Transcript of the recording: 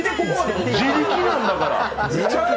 自力なんだから。